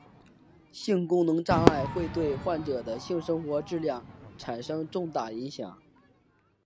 性功能障碍会对患者的性生活质量产生重大影响。